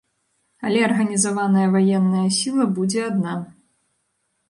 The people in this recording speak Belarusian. Але арганізаваная ваенная сіла будзе адна.